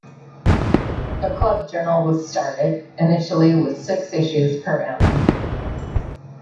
A Club Journal was started, initially with six issues per annum.